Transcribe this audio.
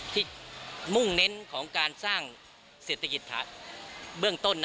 มุ่งเน้นของการสร้างเศรษฐกิจเบื้องต้น